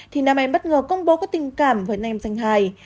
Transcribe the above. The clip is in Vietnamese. thì nam em bất ngờ công bố có tình cảm với nam em danh hài